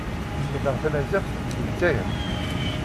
Lemdeɣ tamaziɣt deg Lezzayer.